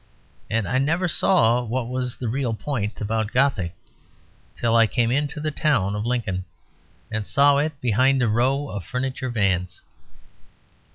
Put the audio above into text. And I never saw what was the real point about Gothic till I came into the town of Lincoln, and saw it behind a row of furniture vans.